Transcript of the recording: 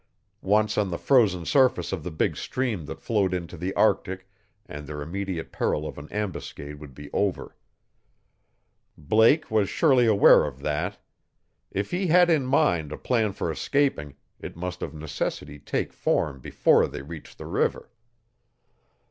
Once on the frozen surface of the big stream that flowed into the Arctic and their immediate peril of an ambuscade would be over. Blake was surely aware of that. If he had in mind a plan for escaping it must of necessity take form before they reached the river.